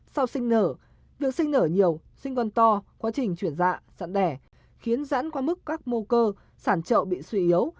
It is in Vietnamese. sau sinh nở việc sinh nở nhiều sinh con to quá trình chuyển dạ sẵn đẻ khiến giãn qua mức các mô cơ sản trậu bị suy yếu